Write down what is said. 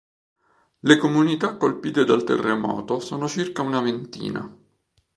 Le comunità colpite dal terremoto sono circa una ventina.